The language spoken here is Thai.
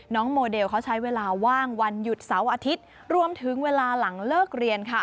โมเดลเขาใช้เวลาว่างวันหยุดเสาร์อาทิตย์รวมถึงเวลาหลังเลิกเรียนค่ะ